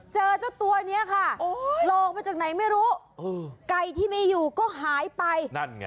เจอเจ้าตัวเนี่ยค่ะรองไปจากไหนไม่รู้ไก่ที่ไม่อยู่ก็หายไป